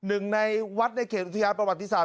หนึ่งในวัดในเขตอุทยานประวัติศาส